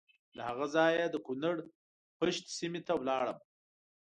له هغه ځایه د کنړ پَشَت سیمې ته ولاړم.